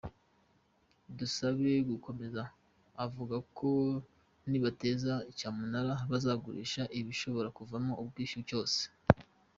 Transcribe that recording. Tusabe yakomeje avuga ko nibateza cyamunara, bazagurisha igishobora kuvamo ubwishyu cyose.